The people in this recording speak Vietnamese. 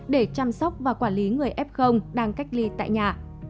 để chăm sóc và quản lý người f đang cách ly tại nhà